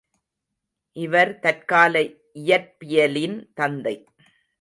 இவர் தற்கால இயற்பியலின் தந்தை.